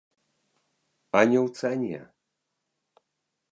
А не ў цане!